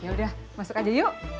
yaudah masuk aja yuk